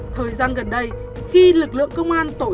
thời gian gần đây khi lực lượng công an tổn thương